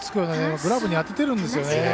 グラブに当ててるんですよね。